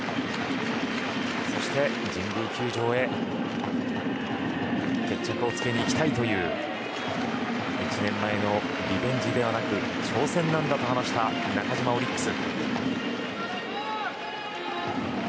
そして、神宮球場へ決着をつけに行きたいという１年前のリベンジではなく挑戦なんだと話した中嶋オリックス。